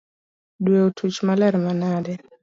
Due otuch maler manade .